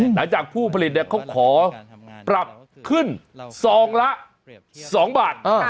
หลังจากผู้ผลิตเนี่ยเขาขอปรับขึ้น๒ละ๒บาท